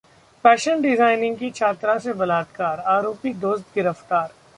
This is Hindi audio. फैशन डिजाइनिंग की छात्रा से बलात्कार, आरोपी दोस्त गिरफ्तार